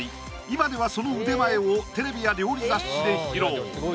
今ではその腕前をテレビや料理雑誌で披露！